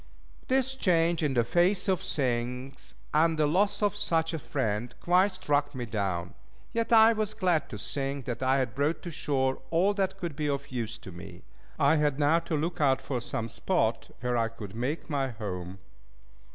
This change in the face of things, and the loss of such a friend, quite struck me down. Yet I was glad to think that I had brought to shore all that could be of use to me. I had now to look out for some spot where I could make my home.